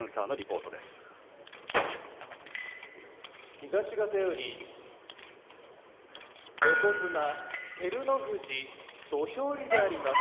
東方より横綱照ノ富士土俵入りであります。